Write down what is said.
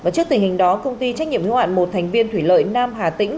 trước tình hình đó công ty trách nhiệm hữu hạn một thành viên thủy lợi nam hà tĩnh